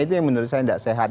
itu yang menurut saya tidak sehat